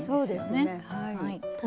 そうですね。